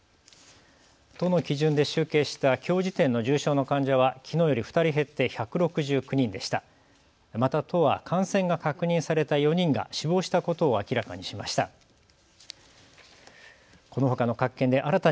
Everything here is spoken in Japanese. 都の基準で集計したきょう時点の重症の患者はきのうより２人減って１６９人でした。